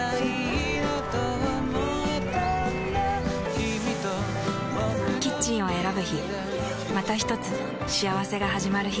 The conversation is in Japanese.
キミとボクの未来だキッチンを選ぶ日またひとつ幸せがはじまる日